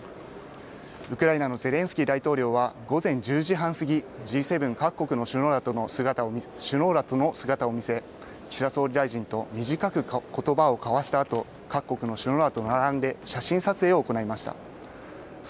ウクライナのゼレンスキー大統領は午前１０時半過ぎＧ７各国の首脳らと姿を見せ岸田総理大臣と短くことばを交わしたあと各国の首脳らと並んで写真撮影を行いました。